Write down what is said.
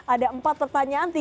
ada empat pertanyaan